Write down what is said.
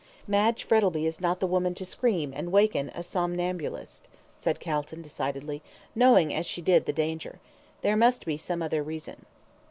"Madge Frettlby is not the woman to scream and waken a somnambulist," said Calton, decidedly, "knowing as she did the danger. There must be some other reason."